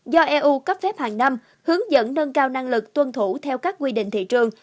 do eu cấp phép hàng năm hướng dẫn nâng cao năng lực tuân thủ theo các quy định thị trường